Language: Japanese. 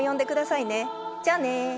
じゃあね。